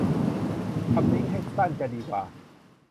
ทำลิงก์ให้สั้นจะดีกว่า